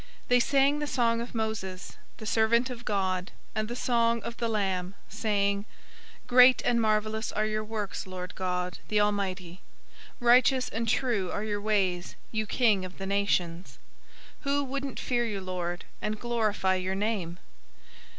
015:003 They sang the song of Moses, the servant of God, and the song of the Lamb, saying, "Great and marvelous are your works, Lord God, the Almighty! Righteous and true are your ways, you King of the nations. 015:004 Who wouldn't fear you, Lord, and glorify your name?